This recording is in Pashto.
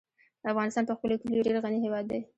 افغانستان په خپلو کلیو ډېر غني هېواد دی.